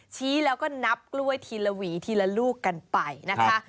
ชี้แล้วก็นับกล้วยทีละหวีทีละลูกกันไปนะคะ